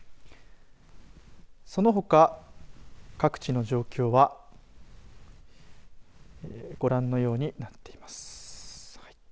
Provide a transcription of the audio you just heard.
そのほか各地の状況はご覧のようになっています。